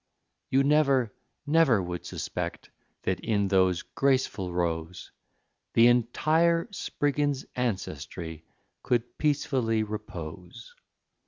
You never, never would suspect that in those graceful rows, The entire Spriggins ancestry could peacefully repose.